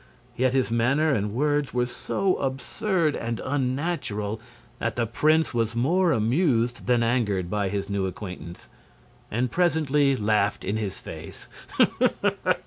Yet his manner and words were so absurd and unnatural that the prince was more amused than angered by his new acquaintance, and presently laughed in his face.